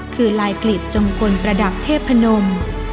คือลายกลีบจงกลประดับเทพนม